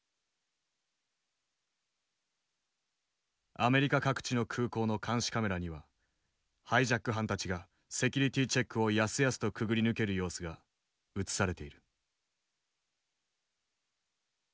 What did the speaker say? アメリカ各地の空港の監視カメラにはハイジャック犯たちがセキュリティーチェックをやすやすとくぐり抜ける様子が映されている。